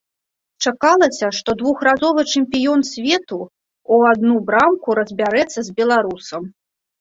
Чакалася, што двухразовы чэмпіён свету ў адну брамку разбярэцца з беларусам.